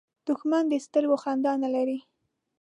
دښمن د سترګو خندا نه لري